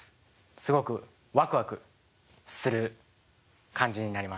すごくワクワクする感じになります。